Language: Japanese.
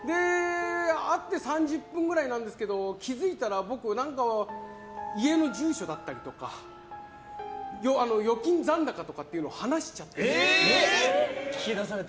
会って３０分ぐらいなんですけど気づいたら僕、家の住所だったりとか預金残高っていうのを話しちゃってて。